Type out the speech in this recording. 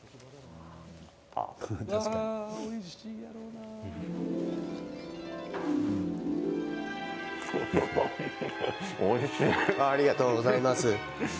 ありがとうございます。